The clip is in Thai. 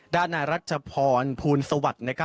ด้านหน้ารัชพรภูมิสวรรค์นะครับ